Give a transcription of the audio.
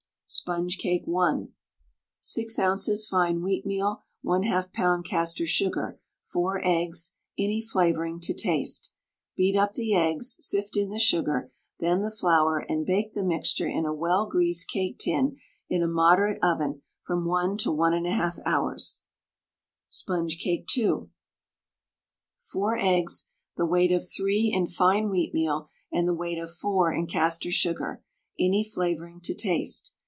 SPONGE CAKE (1). 6 oz. fine wheatmeal, 1/2 lb. castor sugar, 4 eggs, any flavouring to taste. Beat up the eggs, sift in the sugar, then the flour, and bake the mixture in a well greased cake tin in a moderate oven from 1 to 1 1/2 hours. SPONGE CAKE (2). 4 eggs, the weight of 3 in fine wheatmeal, and the weight of 4 in castor sugar, any flavouring to taste.